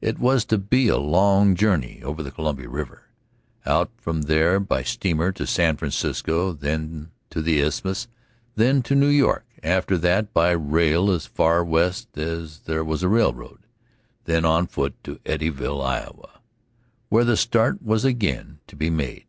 It was to be a long journey over to the Columbia River, out from there by steamer to San Francisco, then to the Isthmus, then to New York. After that, by rail as far west as there was a railroad, then on foot to Eddyville, Iowa, where the start was again to be made.